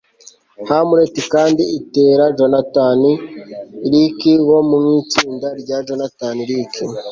hamlet kandi itera jonathan rick wo mu itsinda rya jonathan rick